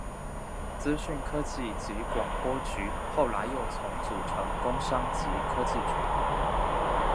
资讯科技及广播局后来又重组成工商及科技局。